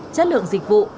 chất lượng dịch vụ